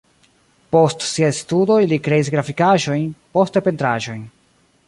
Post siaj studoj li kreis grafikaĵojn, poste pentraĵojn.